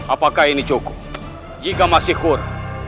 apakah ini cukup jika masih kur